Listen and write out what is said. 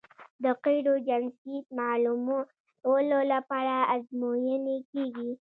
د قیرو جنسیت معلومولو لپاره ازموینې کیږي